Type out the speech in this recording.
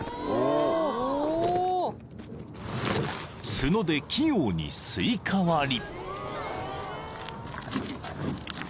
［角で器用にスイカ割り］